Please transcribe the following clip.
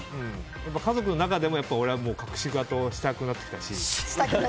家族の中でも俺は隠し事をしたくなってきたし。